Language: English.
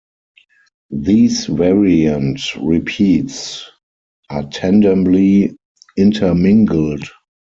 These variant repeats are tandemly intermingled.